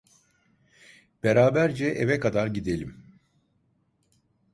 Beraberce eve kadar gidelim.